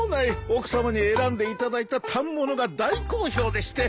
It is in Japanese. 奥さまに選んでいただいた反物が大好評でして。